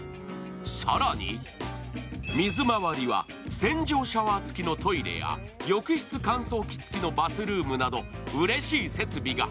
更に、水回りは洗浄シャワー付きのトイレや浴室乾燥機付きのバスルームなどうれしい設備が。